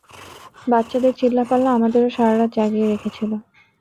বাচ্চাদের চিল্লাপাল্লা আমাদেরও সারারাত জাগিয়ে রেখেছিল!